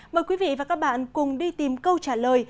mời quý vị và các bạn cùng đi tìm câu trả lời